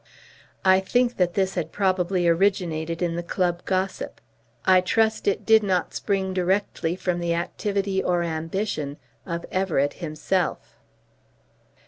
I think that this had probably originated in the club gossip. I trust it did not spring directly from the activity or ambition of Everett himself.